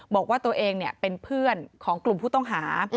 บอกว่าตัวเองเป็นเพื่อนของกลุ่มผู้ต้องหา